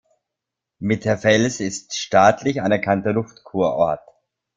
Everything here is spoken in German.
Mitterfels ist staatlich anerkannter Luftkurort.